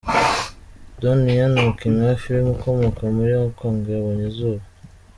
Donnie Yen, umukinnyi wa film ukomoka muri Hong Kong yabonye izuba.